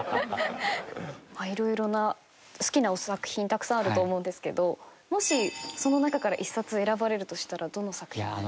まあ色々な好きな作品たくさんあると思うんですけどもしその中から１冊選ばれるとしたらどの作品になりますか？